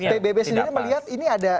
pbb sendiri melihat ini ada